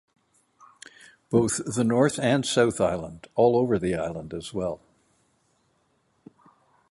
Both the North and South Island all over the Island as well.